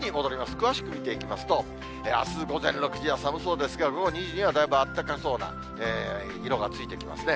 詳しく見ていきますと、あす午前６時は寒そうですけど、午後２時にはだいぶあったかそうな色がついてきますね。